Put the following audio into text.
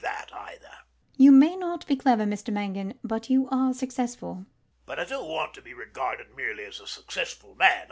LADY UTTERWORD. You may not be clever, Mr Mangan; but you are successful. MANGAN. But I don't want to be regarded merely as a successful man.